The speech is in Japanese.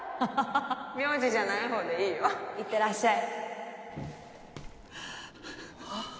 名字じゃないほうでいいよ行ってらっしゃいはあ？